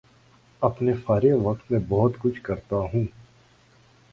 اپنے فارغ وقت میں بہت کچھ کرتا ہوں